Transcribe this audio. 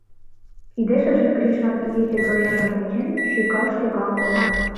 Кидешыже Гришан ече тояжым кучен, шӱкал-шӱкал колта.